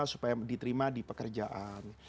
supaya diterima di pekerjaan